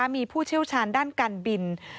มีผู้เชี่ยวชาญด้านการบิน